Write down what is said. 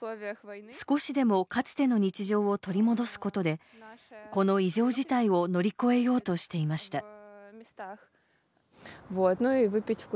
少しでもかつての日常を取り戻すことでこの異常事態を乗り越えようとしていました。